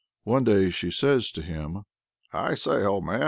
One day she says to him: "I say, old man!